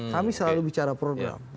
kami selalu bicara program